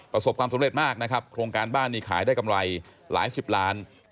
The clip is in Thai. ประสบความสำเร็จมากนะครับโครงการบ้านนี้ขายได้กำไรหลายสิบล้าน